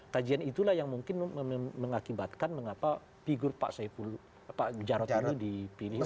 kajian itulah yang mungkin mengakibatkan mengapa figur pak jarod ini dipilih